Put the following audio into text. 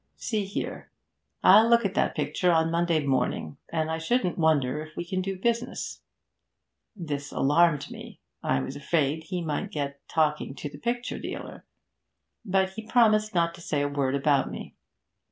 See here, I'll look at that picture on Monday morning, and I shouldn't wonder if we can do business." This alarmed me, I was afraid he might get talking to the picture dealer. But he promised not to say a word about me.